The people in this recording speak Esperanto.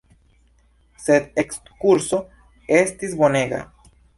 Sed ekskurso estis bonega.